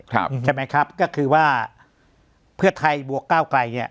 ก็คือว่าแบบเพื่อไทยกับก้าวกลาย